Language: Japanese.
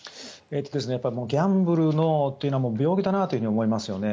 ギャンブルというのは病気だなと思いますよね。